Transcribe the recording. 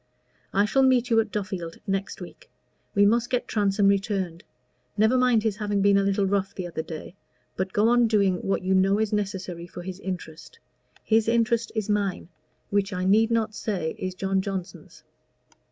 I shall meet you at Duffield next week. We must get Transome returned. Never mind his having been a little rough the other day, but go on doing what you know is necessary for his interest. His interest is mine, which I need not say is John Johnson's.